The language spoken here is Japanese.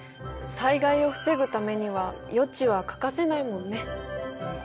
災害を防ぐためには予知は欠かせないもんね。